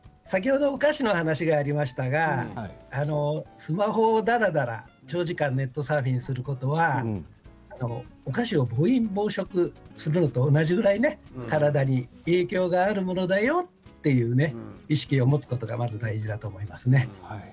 まずは意識改革で先ほどお菓子の話がありましたがスマホをダラダラ長時間ネットサーフィンすることはお菓子を暴飲暴食するのと同じぐらい体に影響があるものだよっていう意識を持つことがまず大事だと思いますね。